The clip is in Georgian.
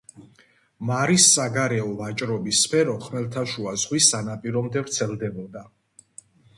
მარის საგარეო ვაჭრობის სფერო ხმელთაშუა ზღვის სანაპირომდე ვრცელდებოდა.